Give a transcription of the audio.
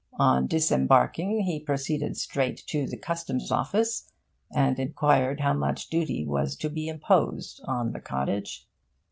On disembarking he proceeded straight to the Customs Office and inquired how much duty was to be imposed on the cottage.